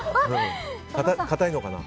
硬いのかな。